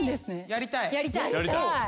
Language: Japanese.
やりたーい！